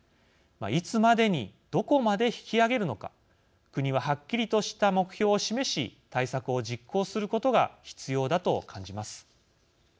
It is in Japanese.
いつまでにどこまで引き上げるのか国は、はっきりとした目標を示し対策を実行することが必要だと感じます。